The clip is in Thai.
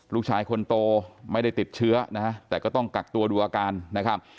ลูกชายคนโตไม่ได้ติดเชื้อนะฮะแต่ก็ต้องกักตัวดูอาการนะครับ